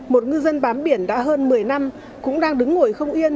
một ngư dân bám biển đã hơn một mươi năm cũng đang đứng ngồi không yên